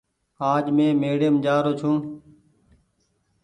آج مين ميڙيم جآ رو ڇو۔